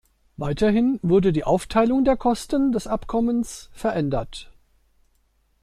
Weiterhin wurde die Aufteilung der Kosten des Abkommens verändert.